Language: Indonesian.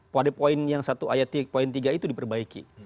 pada poin yang satu ayat poin tiga itu diperbaiki